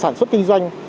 sản xuất kinh doanh